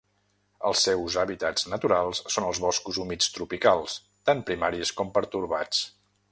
Els seus hàbitats naturals són els boscos humits tropicals, tant primaris com pertorbats.